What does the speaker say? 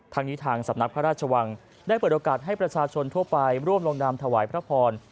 ทางนี้ทางสำนักพระราชวังได้เปิดโอกาสให้ประชาชนทั่วไปร่วมลงนามถวายพระพร